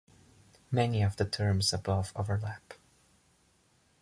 Many of the terms above overlap.